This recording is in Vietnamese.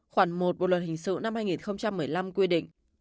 khoảng một bộ luật hình sự năm hai nghìn một mươi năm quy định